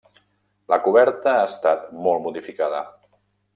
La coberta ha estat molt modificada.